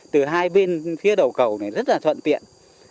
từ hai bên phía đầu cầu này rất là thuận tiện